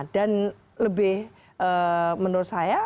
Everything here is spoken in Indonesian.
dan lebih menurut saya